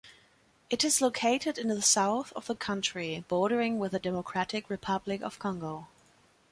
It is located in the south of the country, bordering with the Democratic Republic of Congo.